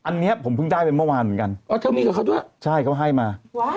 นี่ผมพึ่งได้เหมือนเมื่อวานเขาให้มา